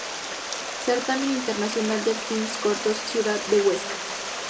Certamen Internacional de Films Cortos Ciudad de Huesca